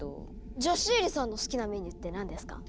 じゃあシエリさんの好きなメニューって何ですか？